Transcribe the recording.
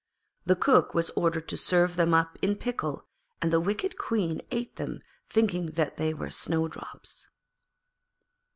The Cook was ordered to serve them up in pickle, and the wicked Queen ate them thinking that they were Snowdrop's.